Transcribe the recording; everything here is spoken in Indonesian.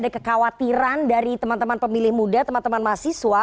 ada kekhawatiran dari teman teman pemilih muda teman teman mahasiswa